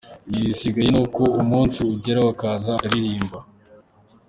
Igisigaye ni uko umunsi ugera akaza akaririmba.